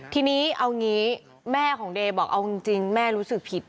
ทีนี้เอางี้แม่ของเดย์บอกเอาจริงแม่รู้สึกผิด